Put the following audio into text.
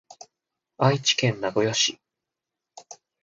愛知県名古屋市